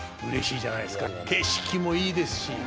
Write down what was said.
景色もいいですし。